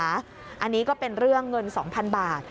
อันนี้ก็เป็นเรื่องเงิน๒๐๐๐บาท